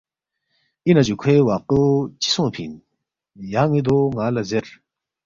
”اِنا جُو کھوے واقعو چِہ سونگفی اِن؟ یان٘ی دو ن٘ا لہ زیر